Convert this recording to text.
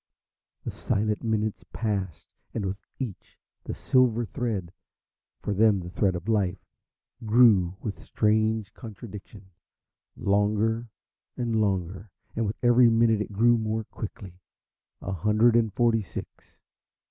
The silent minutes passed, and with each the silver thread for them the thread of life grew, with strange contradiction, longer and longer, and with every minute it grew more quickly. A hundred and forty six.